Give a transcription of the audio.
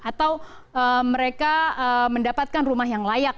atau mereka mendapatkan rumah yang layak